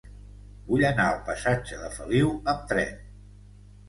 Vull anar al passatge de Feliu amb tren.